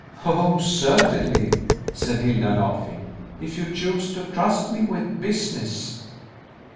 "O, certainly," said Hilda, laughing; "if you choose to trust me with business."